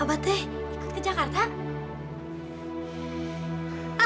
bapak teh ikut ke jakarta